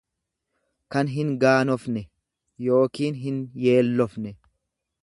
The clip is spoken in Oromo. tan hingaanofne yookiin hinyeellofne.